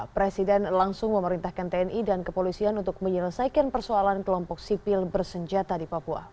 presiden langsung memerintahkan tni dan kepolisian untuk menyelesaikan persoalan kelompok sipil bersenjata di papua